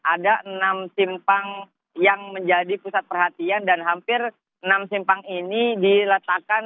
ada enam simpang yang menjadi pusat perhatian dan hampir enam simpang ini diletakkan